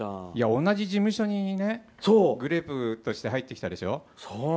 同じ事務所にグレープとして入ってきたでしょ。